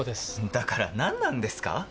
だから何なんですか